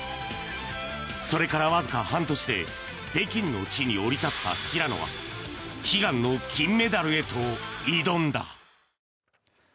それからわずか半年で北京の地に降り立った平野は悲願の金メダルへと挑んだ。